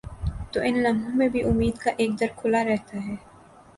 تو ان لمحوں میں بھی امید کا ایک در کھلا رہتا ہے۔